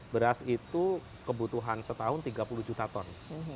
beras itu kebutuhan setahun tiga puluh juta ton